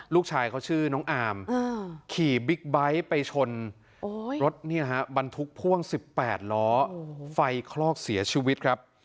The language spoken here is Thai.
ลูกชายเขาชื่อน้องอาร์มขี่บิ๊กไบท์ไปชนรถบรรทุกพ่วง๑๘ล้อไฟคลอกเสียชีวิตครับ